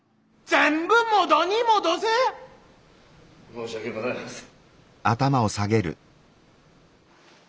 申し訳ございません。